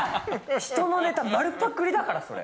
人のネタ丸ぱくりだから、それ。